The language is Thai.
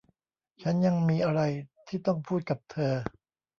ฉันยังมีอะไรที่ต้องพูดกับเธอ